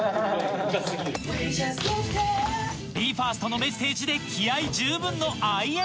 ・ＢＥ：ＦＩＲＳＴのメッセージで気合十分のＩＮＩ